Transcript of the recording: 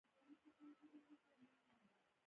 ځینې فلمونه د ژوند ریښتینې کیسې ښیي.